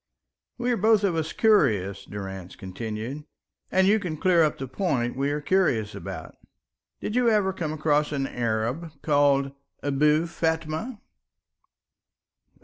"We are both of us curious," Durrance continued, "and you can clear up the point we are curious about. Did you ever come across an Arab called Abou Fatma?"